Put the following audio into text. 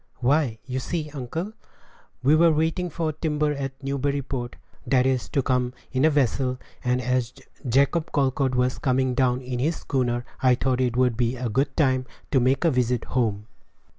"Why, you see, uncle, we were waiting for timber at Newburyport, that is to come in a vessel; and as Jacob Colcord was coming down in his schooner, I thought it would be a good time to make a visit home."